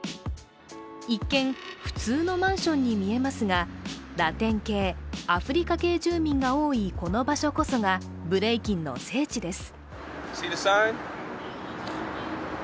一見、普通のマンションに見えますが、ラテン系、アフリカ系住民が多いこの場所こそが、ブレイキンの聖地です。